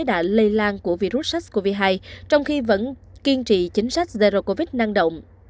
đã lây lan của virus sars cov hai trong khi vẫn kiên trì chính sách zero covid năng động